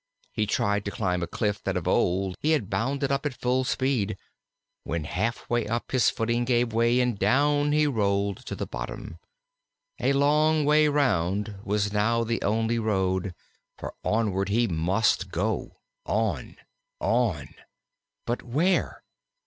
He tried to climb a cliff that of old he had often bounded up at full speed. When half way up his footing gave way, and down he rolled to the bottom. A long way round was now the only road, for onward he must go on on. But where?